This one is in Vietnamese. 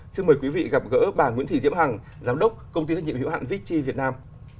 xin mời quý vị gặp gỡ bà nguyễn thị diễm hằng giám đốc công ty trách nhiệm hiệu hạn vickchi việt nam